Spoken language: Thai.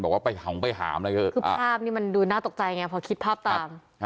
บอกว่าไปห่องไปหามเลยเถอะคือภาพนี้มันดูน่าตกใจไงพอคิดภาพตาม